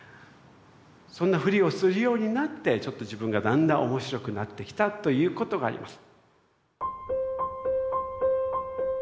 そんなフリをするようになってちょっと自分がだんだん面白くなってきたということがあります。